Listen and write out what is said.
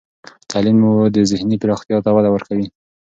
تعلیم و ذهني پراختیا ته وده ورکوي.